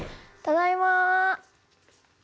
ただいま。